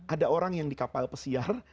ada orang yang di kapal pesiar